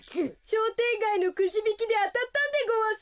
しょうてんがいのくじびきであたったんでごわす。